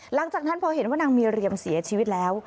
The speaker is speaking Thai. หลังจากนั้นพอเห็นว่านางมีเรียมเสียชีวิตแล้ว